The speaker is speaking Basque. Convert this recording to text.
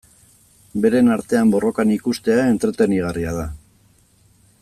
Beren artean borrokan ikustea entretenigarria da.